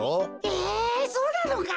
えそうなのか？